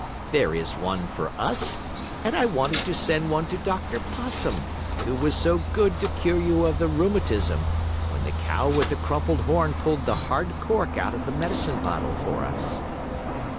There is one for us and I wanted to send one to Dr. Possum, who was so good to cure you of the rheumatism, when the cow with the crumpled horn pulled the hard cork out of the medicine bottle for us."